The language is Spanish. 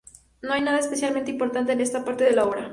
No hay nada especialmente importante en esta parte de la obra.